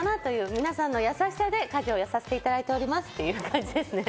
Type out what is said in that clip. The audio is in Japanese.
皆さんの優しさで家事をやらせていただいておりますという感じですね。